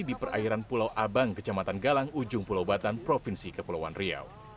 di perairan pulau abang kecamatan galang ujung pulau batan provinsi kepulauan riau